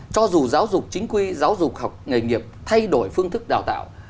cho dù giáo dục chính quy giáo dục học nghề nghiệp thay đổi phương thức đào tạo